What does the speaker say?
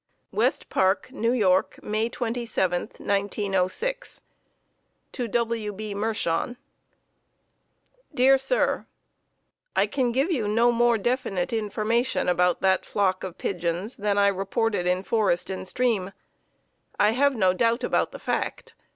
West Park, N. Y., May 27, 1906. To W. B. Mershon: Dear Sir: I can give you no more definite information about that flock of pigeons than I reported to Forest and Stream. I have no doubt about the fact.